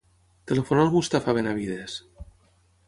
Telefona al Mustafa Benavides.